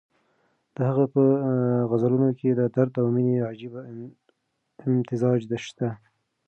د هغه په غزلونو کې د درد او مېنې عجیبه امتزاج شته.